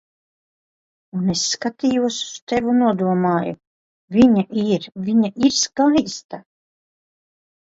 Un es skatījos uz tevi un nodomāju: "Viņa ir... Viņa ir skaista."